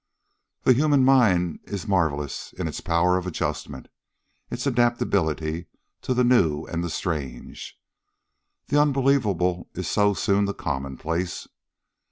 The human mind is marvelous in its power of adjustment, its adaptability to the new and the strange. The unbelievable is so soon the commonplace.